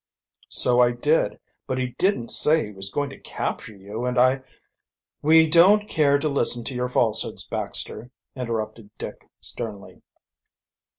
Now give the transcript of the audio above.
"So I did; but he didn't say he was going to capture you, and I " "We don't care to listen to your falsehoods, Baxter," interrupted Dick sternly.